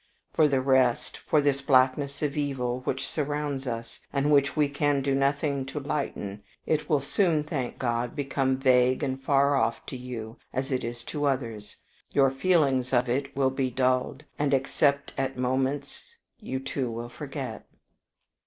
For the rest, for this blackness of evil which surrounds us, and which we can do nothing to lighten, it will soon, thank God, become vague and far off to you as it is to others: your feeling of it will be dulled, and, except at moments, you too will forget."